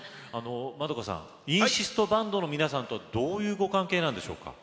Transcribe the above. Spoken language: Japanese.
円さん韻シストＢＡＮＤの皆さんとどういうご関係なんでしょうか。